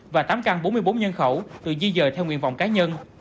và tám căn bốn mươi bốn nhân khẩu